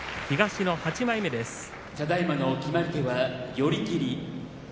東の８枚目です。